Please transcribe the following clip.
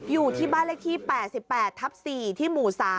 อยู่ที่บ้านเลขที่๘๘ทับ๔ที่หมู่๓